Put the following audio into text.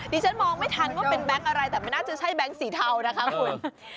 ดิฉันมองไม่ทันว่าเป็นแก๊งอะไรแต่มันน่าจะใช่แบงค์สีเทานะคะคุณ